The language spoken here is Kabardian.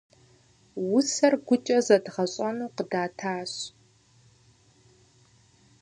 Усэр гукӏэ зэдгъэщӏэну къыдатащ.